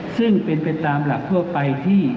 ซึ่งเป็นไปตามหลักทั่วไปที่